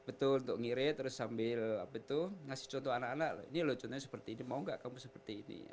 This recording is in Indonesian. betul untuk ngirit terus sambil ngasih contoh anak anak ini loh contohnya seperti ini mau gak kamu seperti ini